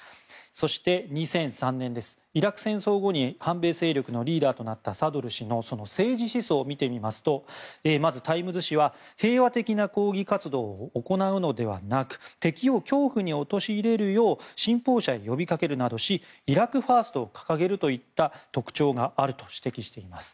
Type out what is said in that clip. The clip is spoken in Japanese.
そして、２００３年イラク戦争後に反米戦力のリーダーとなったサドル師のその政治思想を見てみますとまず、タイムズ紙は平和的な抗議活動を行うのではなく敵を恐怖に陥れるよう信奉者に呼び掛けるなどしイラク・ファーストを掲げるといった特徴があると指摘しています。